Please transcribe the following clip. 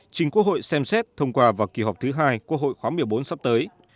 trình quốc hội xem xét thông qua vào kỳ họp thứ hai quốc hội khóa miều bốn sắp tới